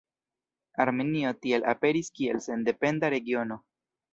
Armenio tiel aperis kiel sendependa regiono.